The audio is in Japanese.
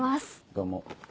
どうも。